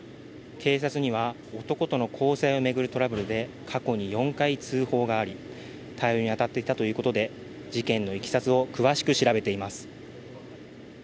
警察には男との交際を巡るトラブルで過去に４回通報があり対応に当たっていたということで事件のいきさつを詳しく調べています。